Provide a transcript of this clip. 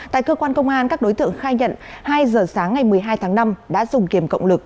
tại cơ quan công an các đối tượng khai nhận hai giờ sáng ngày một mươi hai tháng năm đã dùng kiềm cộng lực